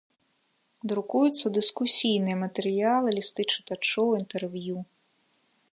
Друкуюцца дыскусійныя матэрыялы, лісты чытачоў, інтэрв'ю.